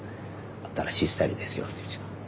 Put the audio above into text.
新しいスタイルですよってうちは。